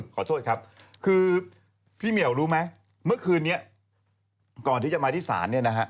ขอโทษครับคือพี่เหมียวรู้ไหมเมื่อคืนนี้ก่อนที่จะมาที่ศาลเนี่ยนะฮะ